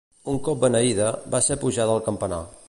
Un cop beneïda, va ser pujada al campanar.